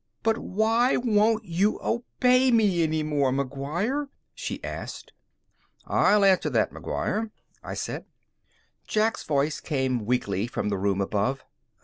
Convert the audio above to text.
"But why won't you obey me any more, McGuire?" she asked. "I'll answer that, McGuire," I said. Jack's voice came weakly from the room above.